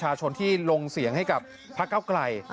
โบสถ์ที่ลงเสียงให้กับพระเกาะไกล